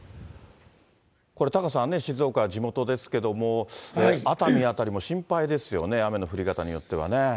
これ、タカさんね、静岡は地元ですけども、熱海辺りも心配ですよね、雨の降り方によってはね。